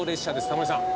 タモリさん。